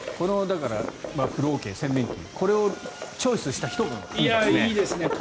風呂桶、洗面器これをチョイスした人がいいですね。